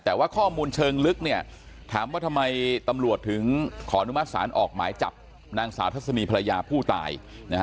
แต่ว่าข้อมูลเชิงลึกถามว่าทำไมตำรวจถึงขอนุมัติศาลออกหมายจับนางสาวทัศนีภรรยาผู้ตาย